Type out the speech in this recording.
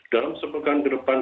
dalam sepekan ke depan